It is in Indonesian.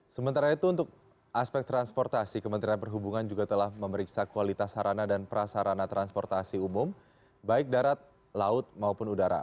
sementara itu untuk aspek transportasi kementerian perhubungan juga telah memeriksa kualitas sarana dan prasarana transportasi umum baik darat laut maupun udara